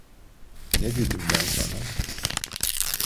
Ne dedim ben sana?